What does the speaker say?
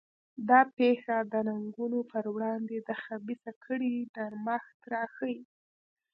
دا پېښه د ننګونو پر وړاندې د خبیثه کړۍ نرمښت راښيي.